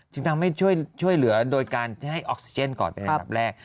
จึงทำให้ช่วยเหลือโดยการที่ให้ออกซิเจนก่อนเป็นอันดับแรก